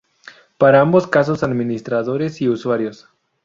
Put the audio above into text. Para ambos casos Administradores y Usuarios.